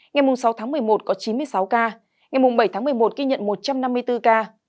ngày sáu tháng một mươi một có chín mươi sáu ca ngày bảy tháng một mươi một ghi nhận một trăm năm mươi bốn ca